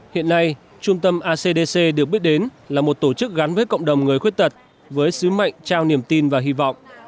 hiện nay trung tâm acdc được biết đến là một tổ chức gắn với cộng đồng người khuyết tật với sứ mệnh trao niềm tin và hy vọng